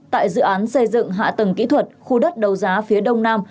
tại dự án xây dựng hạ tầng kỹ thuật khu đất đầu giá phía đông nam